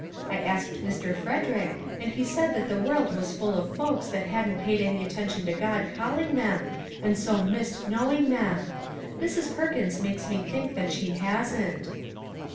I asked Mr. Frederick, and he said that the world was full of folks that hadn't paid any attention to God calling them, and so missed knowing him. Mrs. Perkins makes me think that she hasn't."